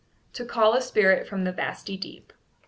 TO CALL A SPIRIT FROM THE VASTY DEEP.